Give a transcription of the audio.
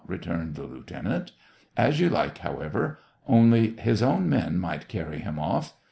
" returned the lieuten ant. — "As you like, however! Only, his own men might carry him off.